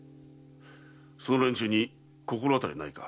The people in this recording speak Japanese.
その連中に心当たりはないか？